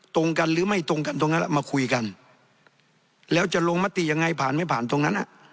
ตรงกันหรือไม่ตรงกันตรงนั้นมาคุยกันแล้วจะลงมติยังไงผ่านไม่ผ่านตรงนั้น